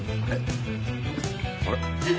あれ？